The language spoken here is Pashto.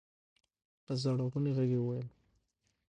په ژړغوني غږ يې وويل.